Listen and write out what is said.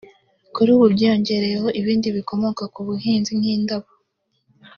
kuri ubu byiyongereyeho ibindi bikomoka ku buhinzi nk’indabo